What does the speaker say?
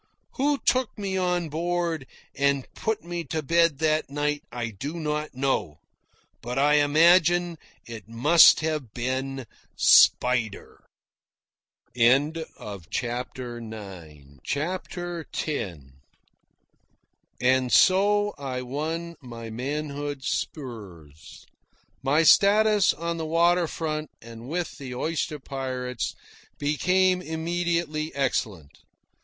Who took me on board and put me to bed that night I do not know, but I imagine it must have been Spider. CHAPTER X And so I won my manhood's spurs. My status on the water front and with the oyster pirates became immediately excellent.